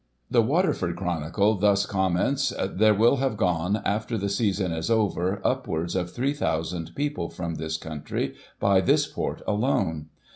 The Water ford Chronicle thus comments :" There will have gone, after the season is over, upwards of 3,000 people, from this country, by this port alone.